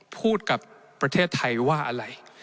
พูดกับประเทศไทยว่าอะไร